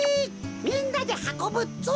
みんなではこぶぞ！